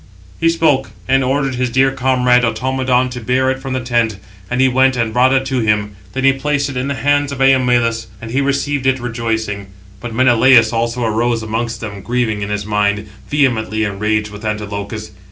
He spoke; and ordered his dear comrade, Automedon, to bear it from the tent: and he went and brought it to him; then he placed it in the hands of Eumelus, and he received it rejoicing. But Menelaus also arose amongst them, grieving in his mind, vehemently enraged with Antilochus.